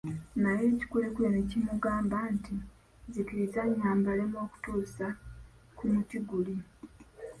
Naye ekikulekule ne kimugamba nti, nzikiriza nnyambalemu okutuusa ku muti guli.